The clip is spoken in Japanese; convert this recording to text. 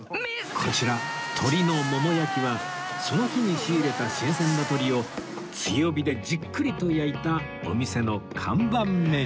こちら鶏のもも焼きはその日に仕入れた新鮮な鶏を強火でじっくりと焼いたお店の看板メニュー